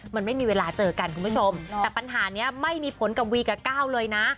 มันไม่มีเวลาเจอกันคุณผู้ชมแต่ปัญหานี้ไม่มีผลกับวีกับก้าวเลยนะ